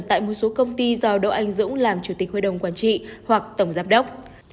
tại một số công ty do đỗ anh dũng làm chủ tịch hội đồng quản trị hoặc tổng giám đốc